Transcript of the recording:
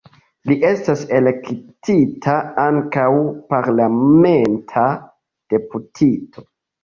Li estis elektita ankaŭ parlamenta deputito.